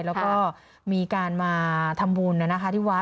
แล้วก็มีการมาทำบุญนะคะที่วาส